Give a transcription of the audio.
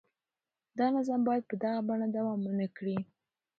دا نظام باید په دغه بڼه دوام ونه کړي.